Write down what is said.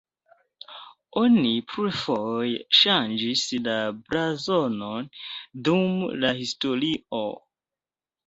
Oni plurfoje ŝanĝis la blazonon dum la historio.